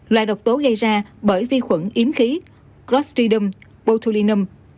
loại độc tố gây ra bởi vi khuẩn yếm khí clostridium botulinum